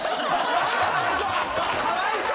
かわいそう！